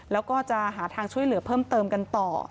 แล้วก็จะหาทางช่วยเหลือเพิ่มเติมกันต่อ